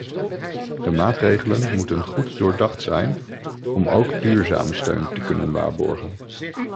De maatregelen moeten goed doordacht zijn om ook duurzame steun te kunnen waarborgen.